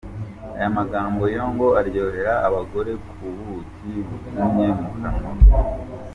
Aya magambo yo ngo aryohera abagore nk’ubuki bugumye mu kanwa.